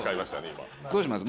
今どうします？